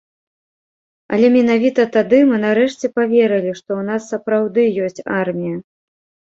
Але менавіта тады мы нарэшце паверылі, што ў нас сапраўды ёсць армія.